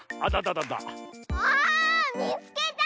ああっみつけた！